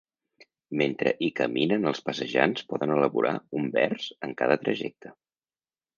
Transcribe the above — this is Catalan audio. Mentre hi caminen els passejants poden elaborar un vers en cada trajecte.